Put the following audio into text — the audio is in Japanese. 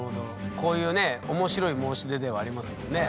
こういうね面白い申し出ではありますもんね。